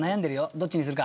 どっちにするか。